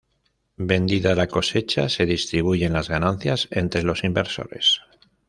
Vendida la cosecha, se distribuyen las ganancias entre los inversores.